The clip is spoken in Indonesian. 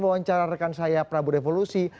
wawancara rekan saya prabu revolusi